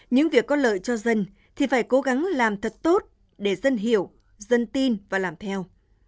những việc có lợi cho dân thì phải cố gắng làm thật tốt để dân hiểu dân tin và làm theo